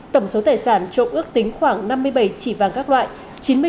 tổng số tài sản trộm ước tính khoảng năm mươi bảy chỉ vàng các loại